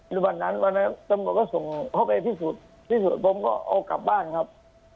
หรือวันนั้นวันนั้นตำลวดก็ส่งพ่อไปพิสูจน์พิสูจน์ผมก็เอากลับบ้านครับ